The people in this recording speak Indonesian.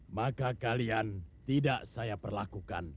maka kalian tidak saya perlakukan